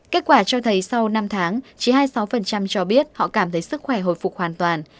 kết quả cho thấy sau năm tháng chỉ hai mươi sáu cho biết họ cảm thấy sức khỏe hồi phục hoàn toàn